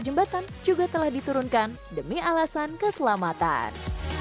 bandul pemberat di menara jembatan juga telah diturunkan demi alasan keselamatan